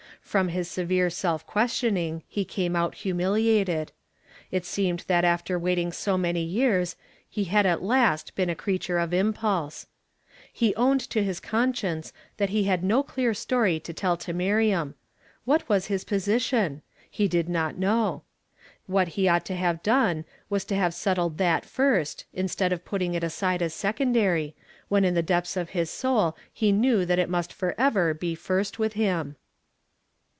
From his severe self questioning 'le came out humiliated. It seemed that after w^aiting so many years he had at last been a creature of im pulse. He owned to his conscience that he had no clear story to tell to Miriam. What was his position? He did not know. What he ought to have done was to have settled that fii st, instead of putting it aside as secondary, when in the depths of his soul he knew that it must forever be first with him.